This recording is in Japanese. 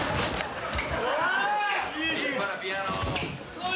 おい！